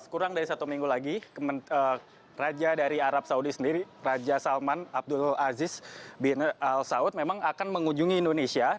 kurang dari satu minggu lagi raja dari arab saudi sendiri raja salman abdul aziz bin al saud memang akan mengunjungi indonesia